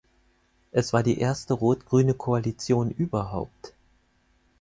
Es war die erste rot-grüne Koalition überhaupt.